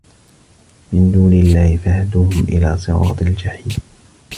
مِن دونِ اللَّهِ فَاهدوهُم إِلى صِراطِ الجَحيمِ